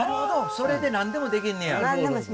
それで何でもできんねや！